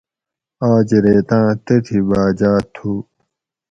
آج ریتاۤں تتھی باجاۤ تُھو